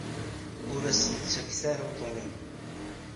Ur asen-ttaket ara uḍḍun-inu.